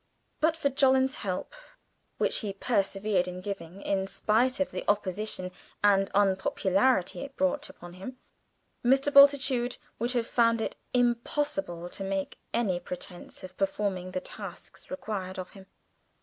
But for Jolland's help, which he persevered in giving in spite of the opposition and unpopularity it brought upon himself, Mr. Bultitude would have found it impossible to make any pretence of performing the tasks required of him.